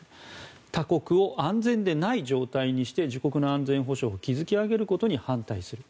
他国の安全でない状態にして自国の安全保障を築き上げることに反対する。